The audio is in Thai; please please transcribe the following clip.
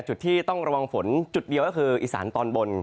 จุดที่ต้องระวังฝนจุดเดียวก็คืออีสานตอนบน